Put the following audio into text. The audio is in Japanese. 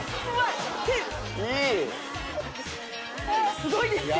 すごいですね。